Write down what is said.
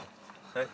はい？